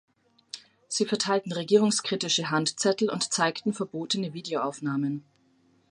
Sie verteilten regierungskritische Handzettel und zeigten verbotene Videoaufnahmen.